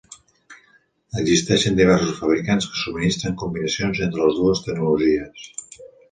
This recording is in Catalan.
Existeixen diversos fabricants que subministren combinacions entre les dues tecnologies.